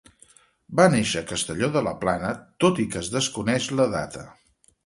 Va nàixer a Castelló de la Plana, tot i que es desconeix la data.